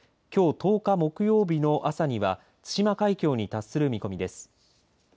１０日木曜日の朝には対馬海峡に達する見込みです。